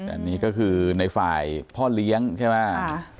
อันนี้ก็คือในฝ่ายพ่อเลี้ยงใช่ไหม